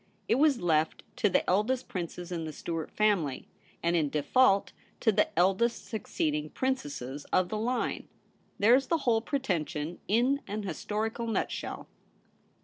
It was left to the eldest princes in the Stuart family, and in default, to the eldest succeeding princesses of the line. There's the whole pretension in an historical nutshell.'